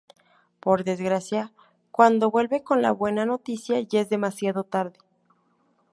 Por desgracia, cuando vuelve con la buena noticia, ya es demasiado tarde.